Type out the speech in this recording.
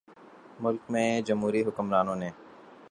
ملک میں جمہوری حکمرانوں نے